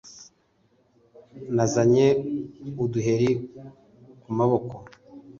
Nazanye uduheri ku maboko